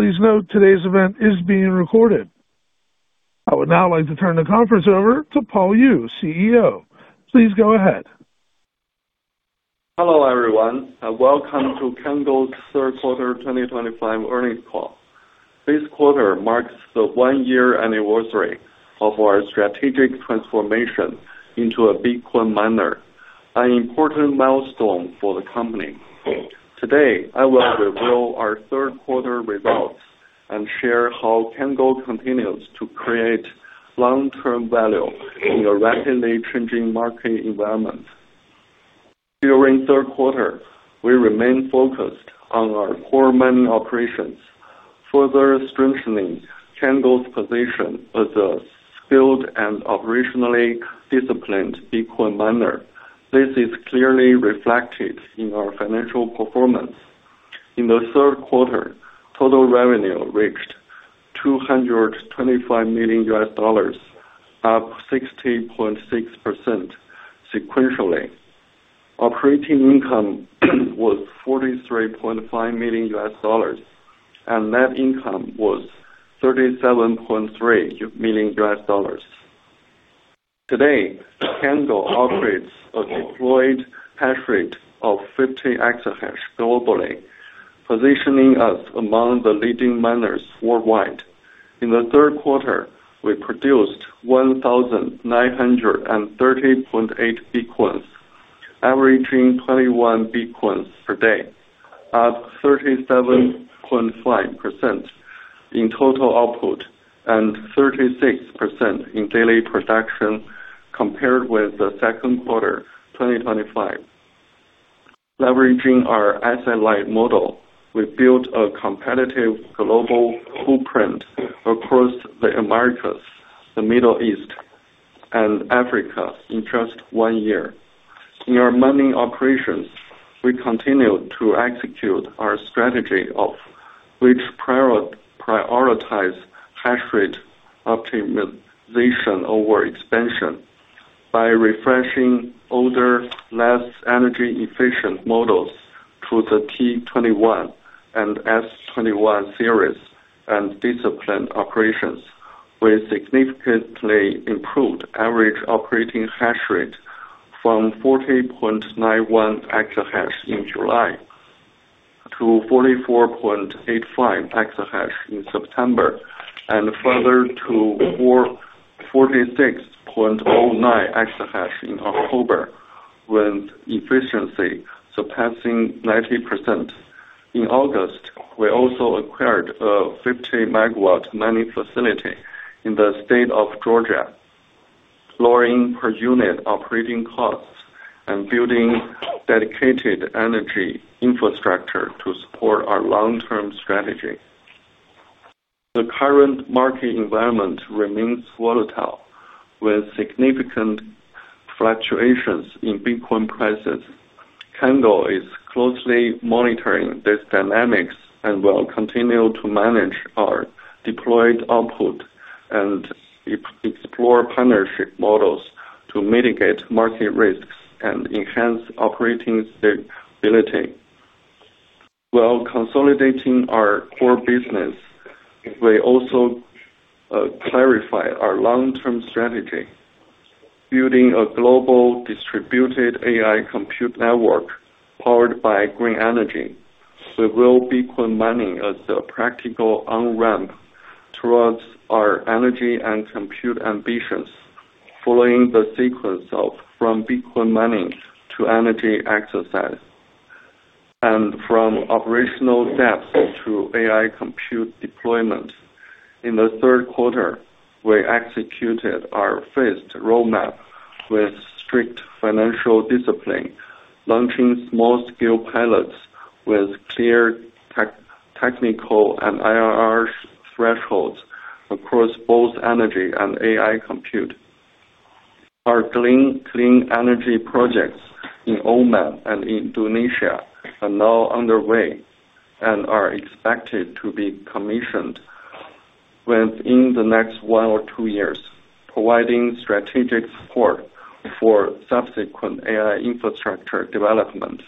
Please note today's event is being recorded. I would now like to turn the conference over to Paul Yu, CEO. Please go ahead. Hello, everyone. Welcome to Cango's third quarter 2025 earnings call. This quarter marks the one-year anniversary of our strategic transformation into a Bitcoin miner, an important milestone for the company. Today, I will reveal our third quarter results and share how Cango continues to create long-term value in a rapidly changing market environment. During third quarter, we remained focused on our core mining operations, further strengthening Cango's position as a skilled and operationally disciplined Bitcoin miner. This is clearly reflected in our financial performance. In the third quarter, total revenue reached $225 million, up 60.6% sequentially. Operating income was $43.5 million, and net income was $37.3 million. Today, Cango operates a deployed hash rate of 50 exahash globally, positioning us among the leading miners worldwide. In the third quarter, we produced 1,930.8 Bitcoins, averaging 21 Bitcoins per day, up 37.5% in total output and 36% in daily production compared with the second quarter 2025. Leveraging our asset-light model, we built a competitive global footprint across the Americas, the Middle East, and Africa in just one year. In our mining operations, we continue to execute our strategy of which prioritize hash rate optimization over expansion by refreshing older, less energy-efficient models to the T21 and S21 series and disciplined operations. We significantly improved average operating hash rate from 40.91 exahash in July to 44.85 exahash in September and further to 46.09 exahash in October, with efficiency surpassing 90%. In August, we also acquired a 50 MW mining facility in the state of Georgia, lowering per-unit operating costs and building dedicated energy infrastructure to support our long-term strategy. The current market environment remains volatile with significant fluctuations in Bitcoin prices. Cango is closely monitoring these dynamics and will continue to manage our deployed output and explore partnership models to mitigate market risks and enhance operating stability. While consolidating our core business, we also clarify our long-term strategy. Building a global distributed AI compute network powered by green energy, we will use Bitcoin mining as a practical on-ramp towards our energy and compute ambitions, following the sequence of from Bitcoin mining to energy exercise and from operational depth to AI compute deployment. In the third quarter, we executed our first roadmap with strict financial discipline, launching small-scale pilots with clear technical and IRR thresholds across both energy and AI compute. Our clean energy projects in Oman and Indonesia are now underway and are expected to be commissioned within the next one or two years, providing strategic support for subsequent AI infrastructure development.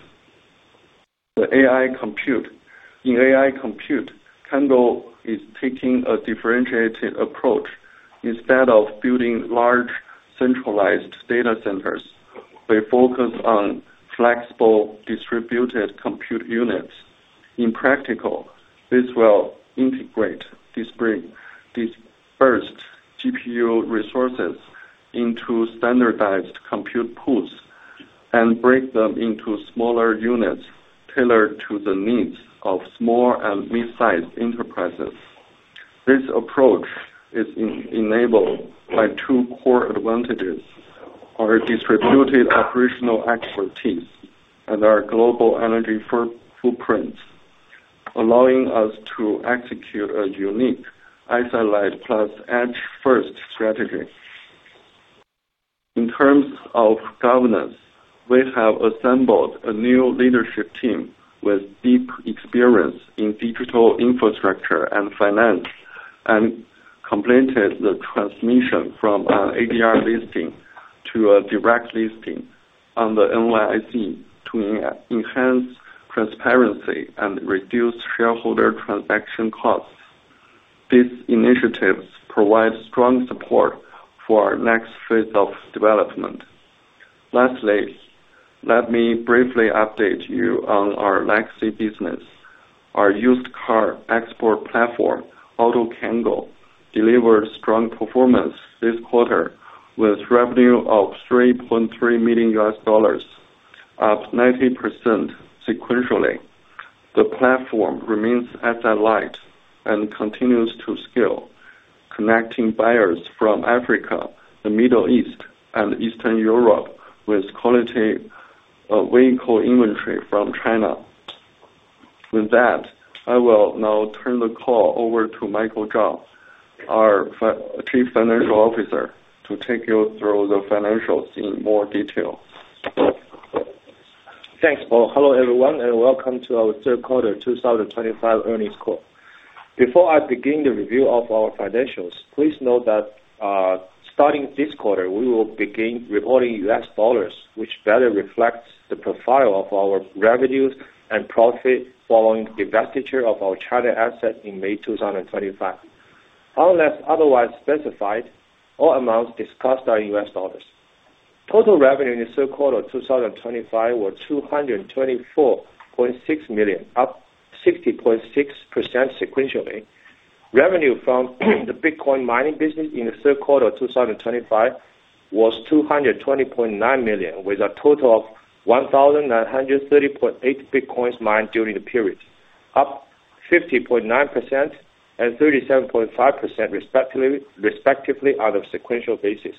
In AI compute, Cango is taking a differentiated approach. Instead of building large centralized data centers, we focus on flexible distributed compute units. In practical, this will integrate dispersed GPU resources into standardized compute pools and break them into smaller units tailored to the needs of small and mid-sized enterprises. This approach is enabled by two core advantages: our distributed operational expertise and our global energy footprints, allowing us to execute a unique asset-light plus edge-first strategy. In terms of governance, we have assembled a new leadership team with deep experience in digital infrastructure and finance and completed the transition from an ADR listing to a direct listing on the NYSE to enhance transparency and reduce shareholder transaction costs. These initiatives provide strong support for our next phase of development. Lastly, let me briefly update you on our legacy business. Our used car export platform, AutoCango, delivered strong performance this quarter with revenue of $3.3 million, up 90% sequentially. The platform remains asset-light and continues to scale, connecting buyers from Africa, the Middle East, and Eastern Europe with quality vehicle inventory from China. With that, I will now turn the call over to Michael Zhang, our Chief Financial Officer, to take you through the financials in more detail. Thanks, Paul. Hello, everyone, and welcome to our third quarter 2025 earnings call. Before I begin the review of our financials, please note that starting this quarter, we will begin reporting US dollars, which better reflects the profile of our revenues and profit following the investiture of our China asset in May 2025. Unless otherwise specified, all amounts discussed are in US dollars. Total revenue in the third quarter of 2025 was $224.6 million, up 60.6% sequentially. Revenue from the Bitcoin mining business in the third quarter of 2025 was $220.9 million, with a total of 1,930.8 Bitcoins mined during the period, up 50.9% and 37.5% respectively on a sequential basis.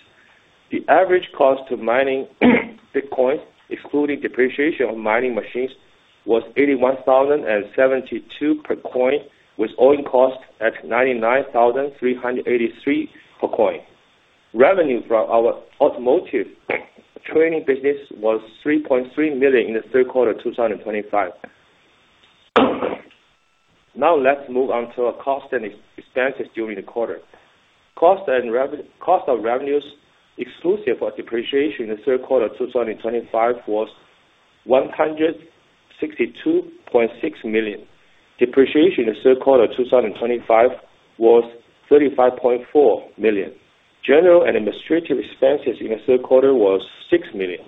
The average cost to mining Bitcoins, excluding depreciation of mining machines, was $81,072 per coin, with oil cost at $99,383 per coin. Revenue from our automotive training business was $3.3 million in the third quarter of 2025. Now let's move on to cost and expenses during the quarter. Cost of revenues exclusive for depreciation in the third quarter of 2025 was $162.6 million. Depreciation in the third quarter of 2025 was $35.4 million. General and administrative expenses in the third quarter were $6 million.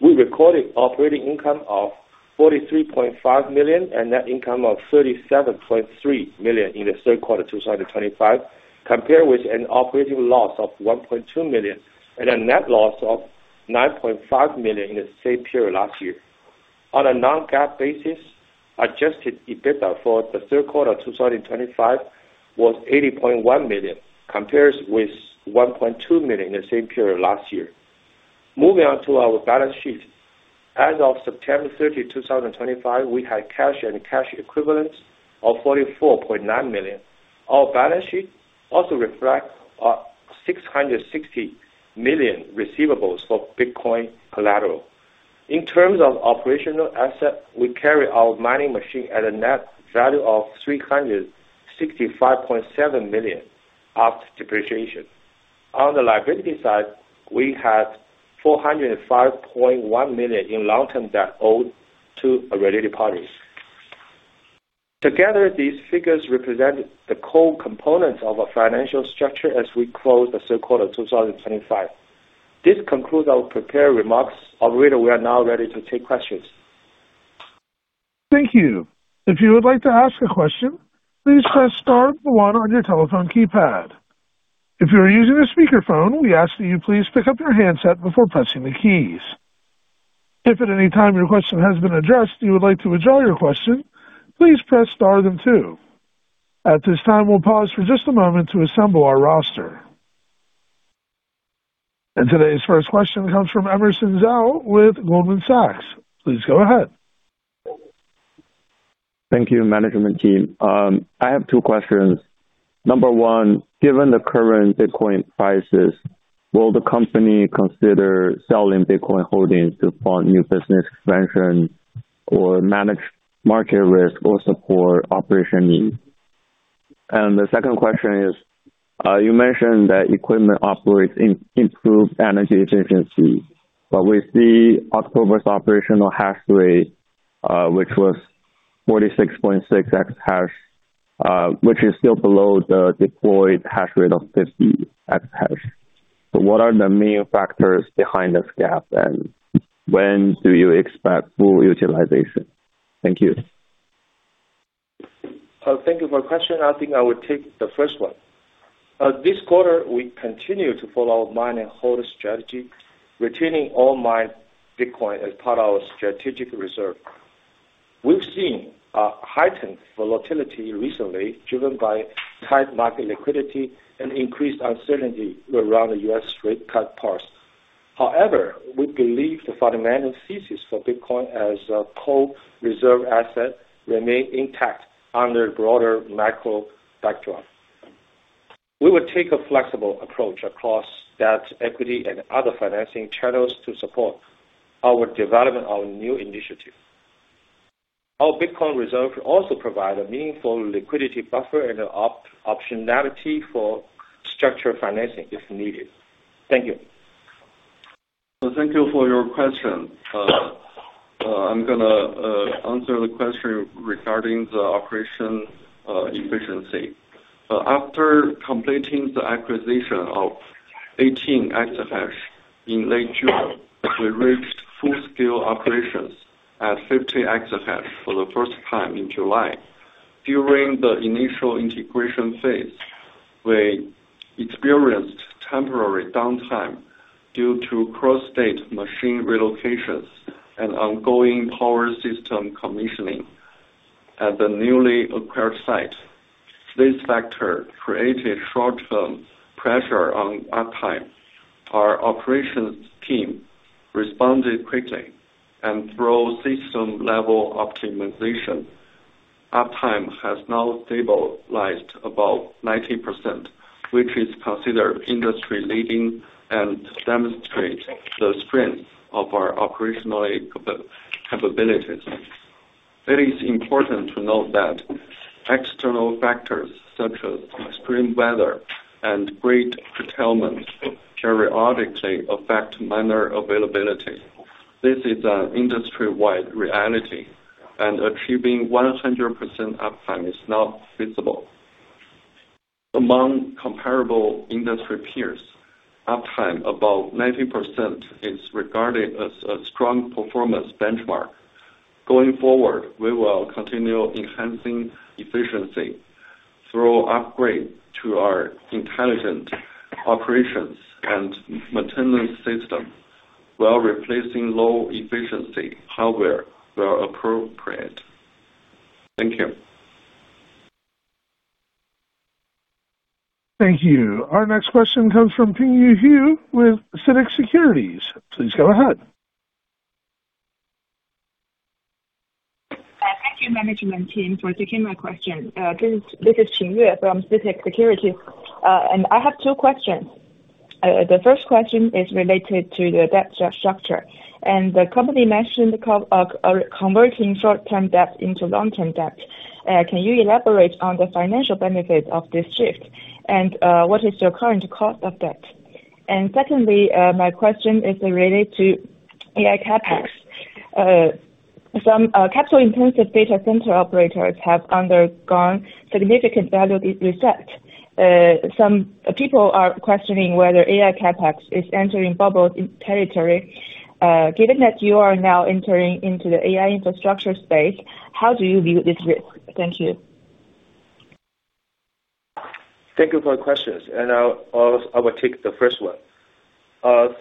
We recorded operating income of $43.5 million and net income of $37.3 million in the third quarter of 2025, compared with an operating loss of $1.2 million and a net loss of $9.5 million in the same period last year. On a non-GAAP basis, adjusted EBITDA for the third quarter of 2025 was $80.1 million, compared with $1.2 million in the same period last year. Moving on to our balance sheet. As of September 30, 2025, we had cash and cash equivalents of $44.9 million. Our balance sheet also reflects $660 million receivables for Bitcoin collateral. In terms of operational asset, we carry our mining machine at a net value of $365.7 million after depreciation. On the liability side, we had $405.1 million in long-term debt owed to a related party. Together, these figures represent the core components of our financial structure as we close the third quarter of 2025. This concludes our prepared remarks. Operator, we are now ready to take questions. Thank you. If you would like to ask a question, please press star and one on your telephone keypad. If you are using a speakerphone, we ask that you please pick up your handset before pressing the keys. If at any time your question has been addressed and you would like to withdraw your question, please press star then two. At this time, we will pause for just a moment to assemble our roster. Today's first question comes from Emerson Zhao with Goldman Sachs. Please go ahead. Thank you, management team. I have two questions. Number one, given the current Bitcoin prices, will the company consider selling Bitcoin holdings to fund new business expansion or manage market risk or support operation needs? The second question is, you mentioned that equipment operates improved energy efficiency, but we see October's operational hash rate, which was 46.6 exahash, which is still below the deployed hash rate of 50 exahash. What are the main factors behind this gap, and when do you expect full utilization? Thank you. Thank you for the question. I think I will take the first one. This quarter, we continue to follow a mining holding strategy, retaining all mined Bitcoin as part of our strategic reserve. We've seen a heightened volatility recently, driven by tight market liquidity and increased uncertainty around the U.S. rate cut paths. However, we believe the fundamental thesis for Bitcoin as a core reserve asset remains intact under a broader macro backdrop. We will take a flexible approach across debt, equity, and other financing channels to support our development of new initiatives. Our Bitcoin reserve will also provide a meaningful liquidity buffer and optionality for structured financing if needed. Thank you. Thank you for your question. I'm going to answer the question regarding the operation efficiency. After completing the acquisition of 18 exahash in late June, we reached full-scale operations at 50 exahash for the first time in July. During the initial integration phase, we experienced temporary downtime due to cross-state machine relocations and ongoing power system commissioning at the newly acquired site. This factor created short-term pressure on uptime. Our operations team responded quickly and through system-level optimization, uptime has now stabilized above 90%, which is considered industry-leading and demonstrates the strength of our operational capabilities. It is important to note that external factors such as extreme weather and grid curtailment periodically affect miner availability. This is an industry-wide reality, and achieving 100% uptime is not feasible. Among comparable industry peers, uptime above 90% is regarded as a strong performance benchmark. Going forward, we will continue enhancing efficiency through upgrades to our intelligent operations and maintenance systems, while replacing low-efficiency hardware where appropriate. Thank you. Thank you. Our next question comes from Pingyue Wu with CITIC Securities. Please go ahead. Thank you, management team, for taking my question. This is Pingyue from CITIC Securities, and I have two questions. The first question is related to the debt structure. The company mentioned converting short-term debt into long-term debt. Can you elaborate on the financial benefits of this shift, and what is your current cost of debt? Secondly, my question is related to AI CapEx. Some capital-intensive data center operators have undergone significant value reset. Some people are questioning whether AI CapEx is entering bubble territory. Given that you are now entering into the AI infrastructure space, how do you view this risk? Thank you. Thank you for the questions. I will take the first one.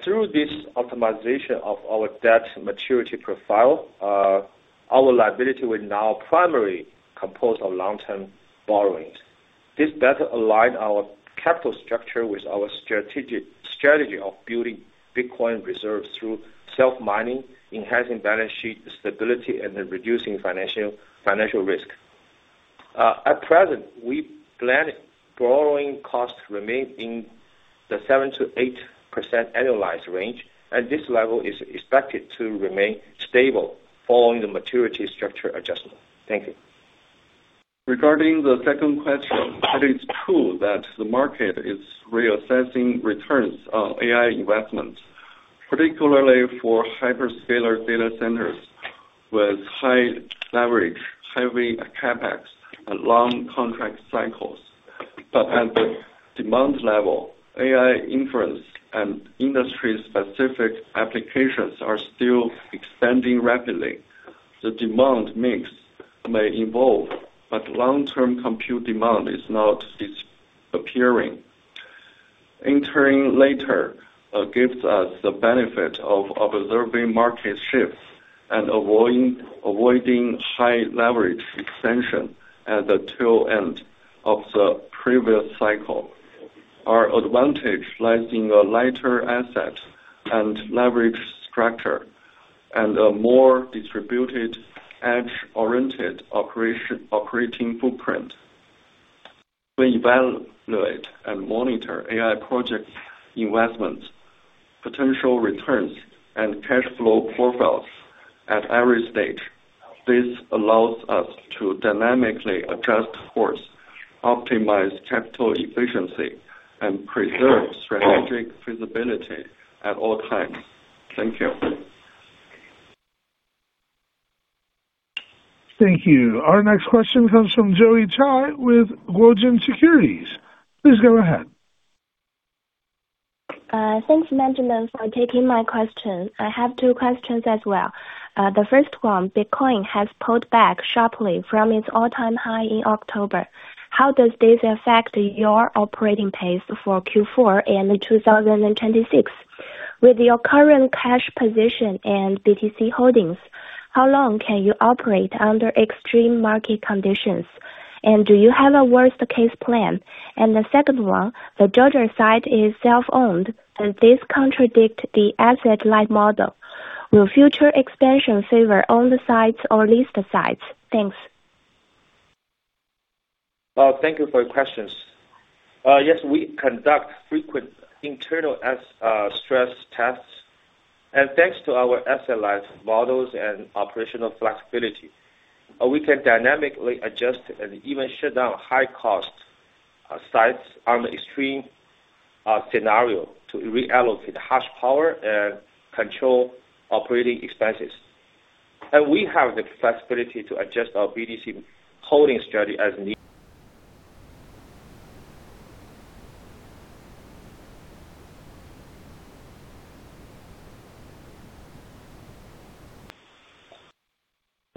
Through this optimization of our debt maturity profile, our liability will now primarily compose our long-term borrowings. This better aligns our capital structure with our strategy of building Bitcoin reserves through self-mining, enhancing balance sheet stability, and reducing financial risk. At present, we plan borrowing costs to remain in the 7%-8% annualized range, and this level is expected to remain stable following the maturity structure adjustment. Thank you. Regarding the second question, it is true that the market is reassessing returns on AI investments, particularly for hyperscaler data centers with high leverage, heavy CapEx, and long contract cycles. At the demand level, AI inference and industry-specific applications are still expanding rapidly. The demand mix may evolve, but long-term compute demand is not disappearing. Entering later gives us the benefit of observing market shifts and avoiding high leverage extension at the tail end of the previous cycle. Our advantage lies in a lighter asset and leverage structure and a more distributed edge-oriented operating footprint. We evaluate and monitor AI project investments, potential returns, and cash flow profiles at every stage. This allows us to dynamically adjust course, optimize capital efficiency, and preserve strategic feasibility at all times. Thank you. Thank you. Our next question comes from Joey Chai with Guojin Securities. Please go ahead. Thanks, Manjulu, for taking my question. I have two questions as well. The first one, Bitcoin has pulled back sharply from its all-time high in October. How does this affect your operating pace for Q4 and 2026? With your current cash position and BTC holdings, how long can you operate under extreme market conditions? Do you have a worst-case plan? The second one, the Joder site is self-owned. Does this contradict the asset-like model? Will future expansion favor owned sites or leased sites? Thanks. Thank you for your questions. Yes, we conduct frequent internal stress tests. Thanks to our asset-like models and operational flexibility, we can dynamically adjust and even shut down high-cost sites under extreme scenarios to reallocate hash power and control operating expenses. We have the flexibility to adjust our BTC holding strategy as needed.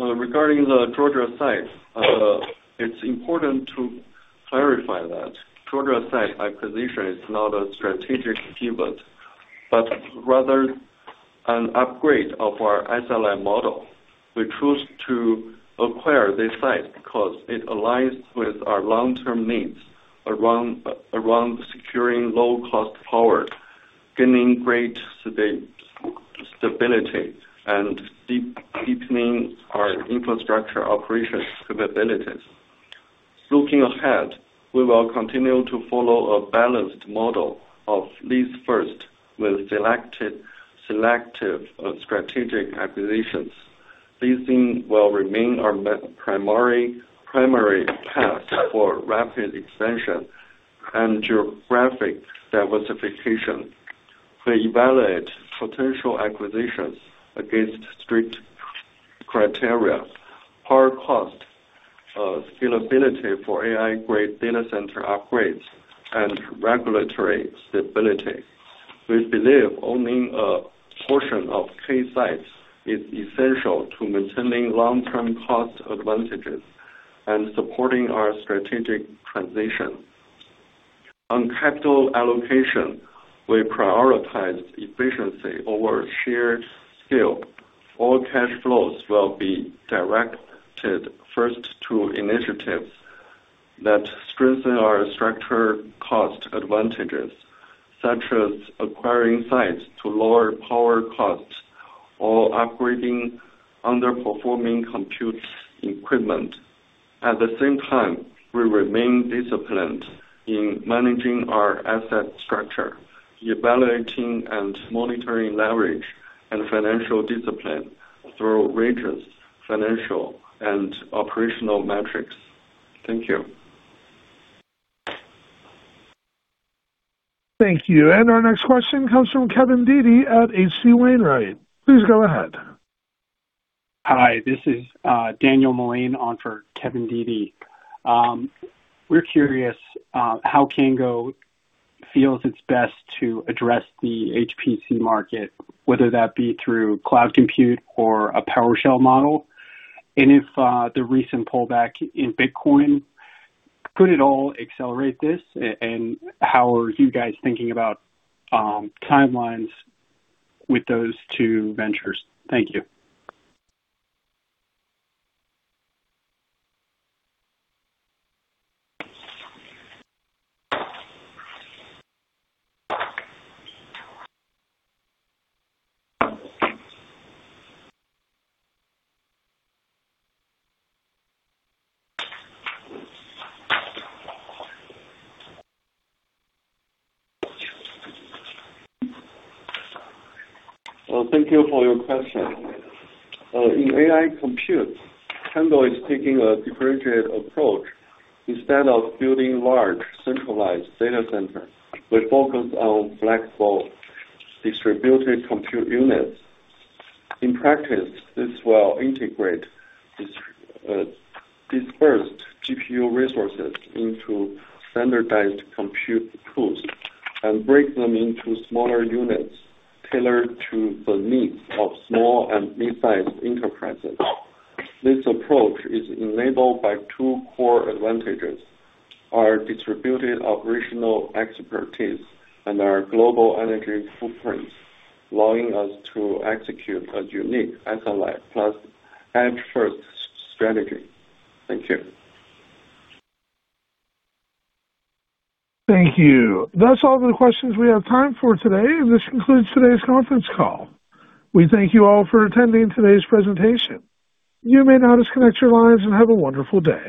Regarding the Joder site, it's important to clarify that Joder site acquisition is not a strategic pivot, but rather an upgrade of our SLI model. We chose to acquire this site because it aligns with our long-term needs around securing low-cost power, gaining great stability, and deepening our infrastructure operation capabilities. Looking ahead, we will continue to follow a balanced model of lease-first with selective strategic acquisitions. Leasing will remain our primary path for rapid expansion and geographic diversification. We evaluate potential acquisitions against strict criteria: power cost, scalability for AI-grade data center upgrades, and regulatory stability. We believe owning a portion of K sites is essential to maintaining long-term cost advantages and supporting our strategic transition. On capital allocation, we prioritize efficiency over sheer scale. All cash flows will be directed first to initiatives that strengthen our structure cost advantages, such as acquiring sites to lower power costs or upgrading underperforming compute equipment. At the same time, we remain disciplined in managing our asset structure, evaluating and monitoring leverage and financial discipline through rigorous financial and operational metrics. Thank you. Thank you. Our next question comes from Kevin Dede at H.C. Wainwright. Please go ahead. Hi, this is Daniel Mullane on for Kevin Dede. We're curious how Cango feels it's best to address the HPC market, whether that be through cloud compute or a PowerShell model. If the recent pullback in Bitcoin could at all accelerate this, how are you guys thinking about timelines with those two ventures? Thank you. Thank you for your question. In AI compute, Cango is taking a differentiated approach. Instead of building large centralized data centers, we focus on flexible distributed compute units. In practice, this will integrate dispersed GPU resources into standardized compute pools and break them into smaller units tailored to the needs of small and mid-sized enterprises. This approach is enabled by two core advantages: our distributed operational expertise and our global energy footprint, allowing us to execute a unique SLI plus edge-first strategy. Thank you. Thank you. That's all the questions we have time for today, and this concludes today's conference call. We thank you all for attending today's presentation. You may now disconnect your lines and have a wonderful day.